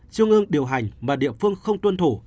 trung ương điều hành mà địa phương không tuân thủ